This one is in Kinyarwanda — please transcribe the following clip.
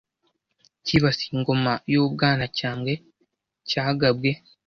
cyibasiye Ingoma y’u Bwanacyambwe cyagabwe